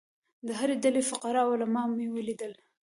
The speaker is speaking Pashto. د هرې ډلې فقراء او عالمان مې ولیدل.